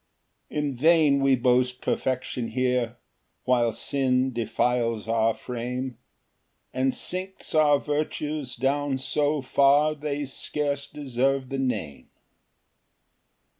5 In vain we boast perfection here, While sin defiles our frame, And sinks our virtues down so far, They scarce deserve the name.